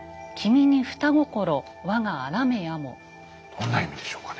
どんな意味でしょうかね。